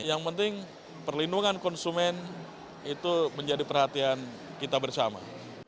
yang penting perlindungan konsumen itu menjadi perhatian kita bersama